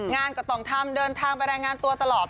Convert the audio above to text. งานก็ต้องทำเดินทางไปรายงานตัวตลอด